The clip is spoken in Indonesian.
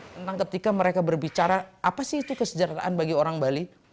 tentang ketika mereka berbicara apa sih itu kesejahteraan bagi orang bali